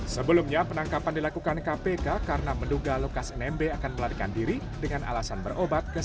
sehingga penangkapan dilakukan oleh kpk karena menduga lukas nmb akan melarikan diri dengan alasan berobat ke singapura